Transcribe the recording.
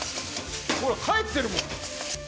ほら返ってるもん！